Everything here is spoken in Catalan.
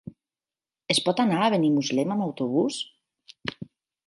Es pot anar a Benimuslem amb autobús?